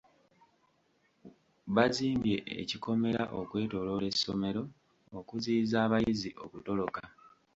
Bazimbye ekikomera okwetooloola essomero okuziyiza abayizi okutoloka.